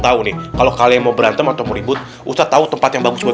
tahu nih kalau kalian mau berantem untuk ribut ustadz tahu tempat yang bagus buat